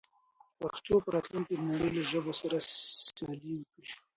پښتو به په راتلونکي کې د نړۍ له ژبو سره سیالي وکړي.